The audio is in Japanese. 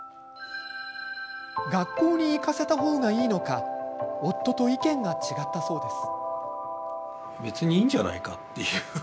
学校に行かせた方がいいのか夫と意見が違ったそうです。